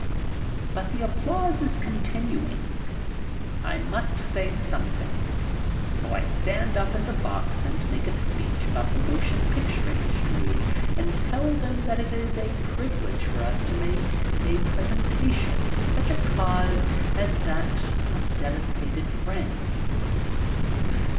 But the applause is continuing. I must say something, so I stand up in the box and make a speech about the motion picture industry and tell them that it is a privilege for us to make a presentation for such a cause as that of devastated France.